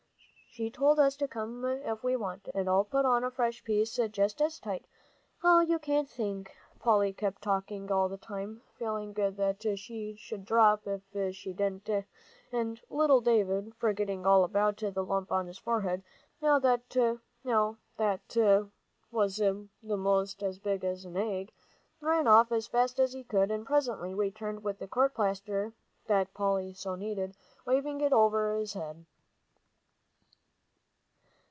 She told us to come if we wanted it, and I'll put on a fresh piece just as tight, oh, you can't think!" Polly kept talking all the time, feeling that she should drop if she didn't, and little David, forgetting all about the lump on his forehead, that now was most as big as an egg, ran off as fast as he could, and presently returned with the court plaster, waving it over his head.